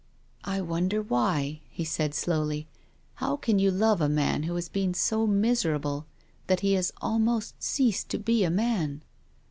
" I wonder why," he said, slowly. " How can you love a man vvho has been so miserable that he has almost ceased to be a man